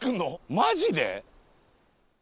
マジで？